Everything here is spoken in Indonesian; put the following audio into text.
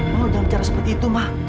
ma lo jangan bicara seperti itu ma